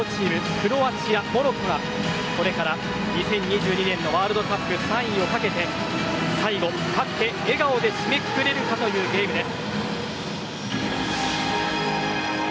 クロアチア、モロッコがこれから２０２２年のワールドカップ、３位をかけて最後、勝って笑顔で締めくくれるかというゲームです。